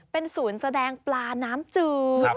เป็นศูนย์แสดงปลาน้ำจืด